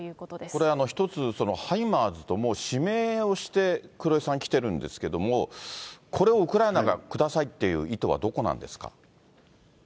これ、１つ、ハイマーズともう指名をして、黒井さん、きてるんですけども、これをウクライナが下さいっていう意図はどこなんですか？